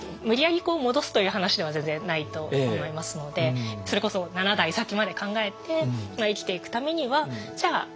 無理やりこう戻すという話では全然ないと思いますのでそれこそ７代先まで考えて生きていくためにはじゃあ